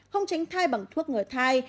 không tránh thai bằng thuốc ngửa thai